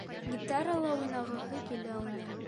Гитарала уйнағыһы килә уның.